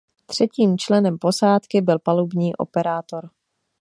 Třetím členem posádky byl palubní operátor.